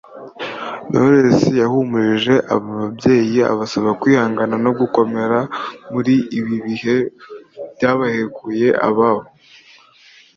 Knowless yahumurije aba babyeyi abasaba kwihangana no gukomera muri ibi bihe byabahekuye ababo